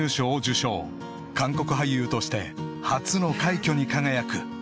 ［韓国俳優として初の快挙に輝く］